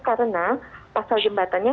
karena pasal jembatannya